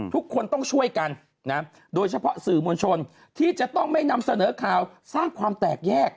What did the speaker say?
ทุกคนต้องช่วยกันนะโดยเฉพาะสื่อมวลชนที่จะต้องไม่นำเสนอข่าวสร้างความแตกแยก